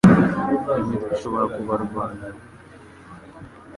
imitwe ishobora kubarwanya aho